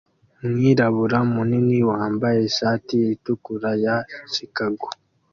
Umwirabura munini wambaye ishati itukura ya Chicago